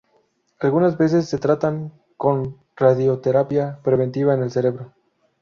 Algunas veces se tratan con radioterapia preventiva en el cerebro.